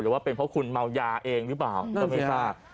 ว่าเป็นเพราะคุณเมายาเองหรือเปล่าก็ไม่ทราบ